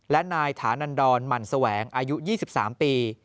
และนายฐานันดรหมั่นแสวงอายุ๒๓ปี